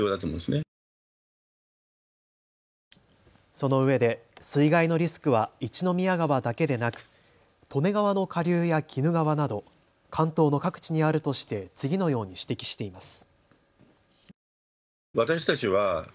そのうえで水害のリスクは一宮川だけでなく利根川の下流や鬼怒川など関東の各地にあるとして次のように指摘しています。